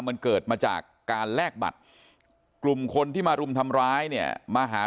มันเกิดมาจากการแลกบัตรกลุ่มคนที่มารุมทำร้ายเนี่ยมาหา